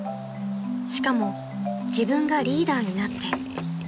［しかも自分がリーダーになって］